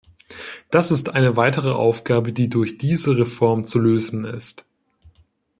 Das ist eine weitere Aufgabe, die durch diese Reform zu lösen ist.